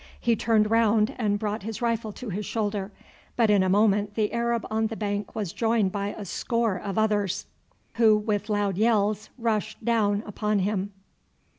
He turned round and brought his rifle to his shoulder, but in a moment the Arab on the bank was joined by a score of others, who with loud yells rushed down upon him.